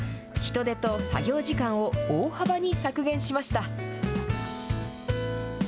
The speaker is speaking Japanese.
人手と作業時間を大幅に削減しました。